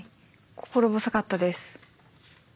心細かったです。